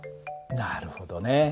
なるほどね。